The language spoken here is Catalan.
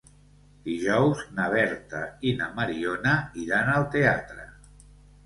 Dijous na Berta i na Mariona iran al teatre.